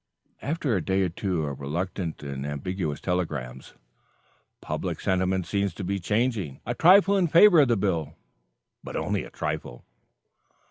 After a day or two of reluctant and ambiguous telegrams: "Public sentiment seems changing, a trifle in favor of the bill but only a trifle."